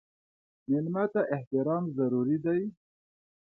مېلمه ته احترام ضروري دی.